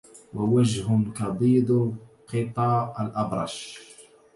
ووجه كبيض القطا الأبرش